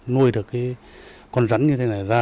nuôi được cái con rắn như thế này ra